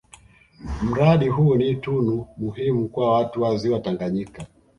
Mradi huu ni tunu muhimu kwa watu wa Ziwa Tanganyika